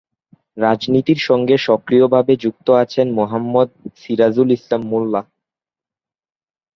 রাজনীতির সঙ্গে সক্রিয় ভাবে যুক্ত আছেন মো: সিরাজুল ইসলাম মোল্লা।